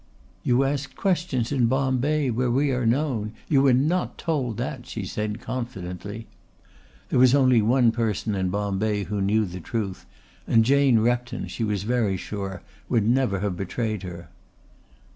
"You asked questions in Bombay where we are known. You were not told that," she said confidently. There was only one person in Bombay who knew the truth and Jane Repton, she was very sure, would never have betrayed her.